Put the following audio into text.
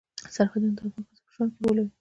سرحدونه د افغان ښځو په ژوند کې رول لري.